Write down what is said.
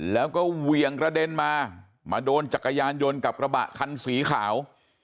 แล้วก็เหวี่ยงกระเด็นมามาโดนจักรยานยนต์กับกระบะคันสีขาว